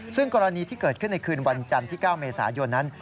ซึ่งกรณีที่เกิดขึ้นในคืนวันจันทร์ที่๙เมษายนนั้น